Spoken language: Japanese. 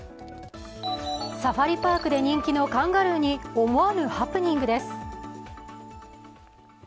サファリパークで人気のカンガルーに思わぬハプニングです。